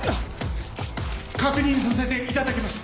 確認させていただきます。